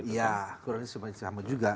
ya kurang lebih sama juga